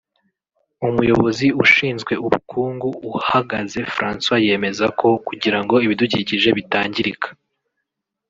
umuyobozi ushinzwe ubukungu Uhagaze François yemeza ko kugirango ibidukikije bitangirika